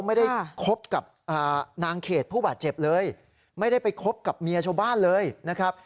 ไม่ได้คบกับนางเขตผู้บาดเจ็บเลยไม่ได้ไปคบกับเมียชาวบ้านเลยนะครับ